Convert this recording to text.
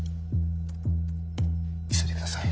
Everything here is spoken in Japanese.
急いでください。